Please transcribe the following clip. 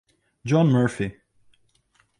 John Murphy.